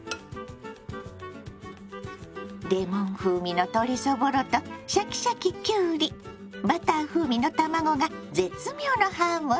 レモン風味の鶏そぼろとシャキシャキきゅうりバター風味の卵が絶妙のハーモニー！